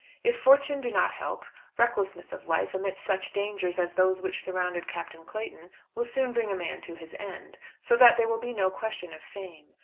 If Fortune do not help, recklessness of life amidst such dangers as those which surrounded Captain Clayton will soon bring a man to his end, so that there will be no question of fame.